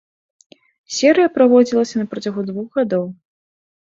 Серыя праводзілася на працягу двух гадоў.